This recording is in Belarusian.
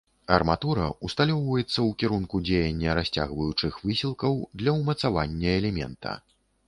Арматура усталёўваецца ў кірунку дзеяння расцягваючых высілкаў для ўмацавання элемента.